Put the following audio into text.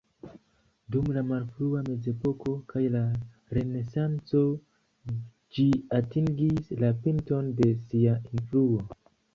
Dum la malfrua mezepoko kaj la renesanco ĝi atingis la pinton de sia influo.